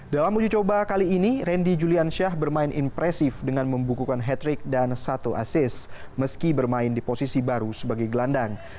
dalam uji coba kali ini randy juliansyah bermain impresif dengan membukukan hat trick dan satu asis meski bermain di posisi baru sebagai gelandang